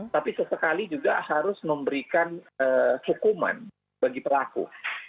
tapi sesekali juga harus memberikan hukuman bagi pelaku